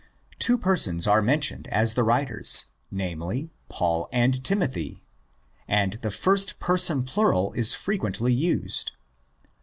Two persons are mentioned as the writers—namely, Paul and Timothy—and the first person plural is frequently used.